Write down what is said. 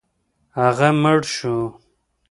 هغه مړ شو.